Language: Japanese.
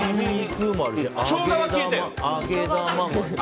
ショウガは消えたよね。